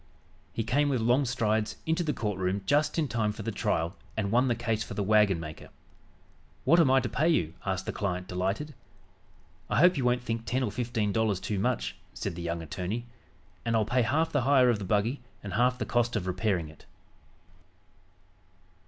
He came, with long strides, into the court room just in time for the trial and won the case for the wagonmaker. "What am I to pay you?" asked the client delighted. "I hope you won't think ten or fifteen dollars too much," said the young attorney, "and I'll pay half the hire of the buggy and half the cost of repairing it."